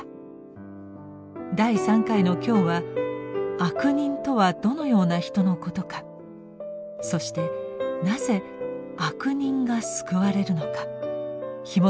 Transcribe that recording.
第３回の今日は悪人とはどのような人のことかそしてなぜ悪人が救われるのかひもといてゆきます。